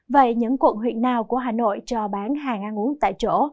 vậy những quận huyện nào của hà nội cho bán hàng ăn uống tại chỗ